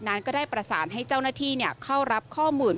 นั้นก็ได้ประสานให้เจ้าหน้าที่เข้ารับข้อมูล